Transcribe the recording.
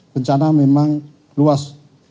bencana memang luas